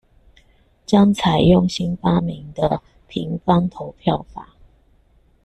將採用新發明的「平方投票法」